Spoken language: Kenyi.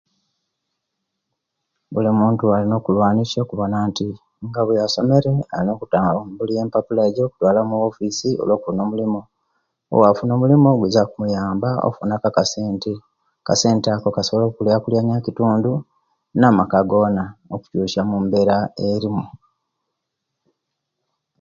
Buli muntu alina okulwanisia okubona nti nga weyasomere alina okutambulya empapula ejo okutwala muwofiisi olwo'kufunza omulimu owafuna omulimu gwiza kumuyamba okufuna ku akasente. Akasente ako kasobola okulankulanya ekitundu na'maka gona okubesya mumbera elimu